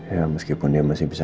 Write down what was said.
ya meskipun dia masih bisa